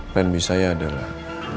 plan b saya adalah